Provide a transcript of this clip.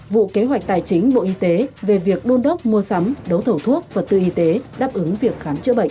vụ kế hoạch tài chính bộ y tế về việc đôn đốc mua sắm đấu thầu thuốc vật tư y tế đáp ứng việc khám chữa bệnh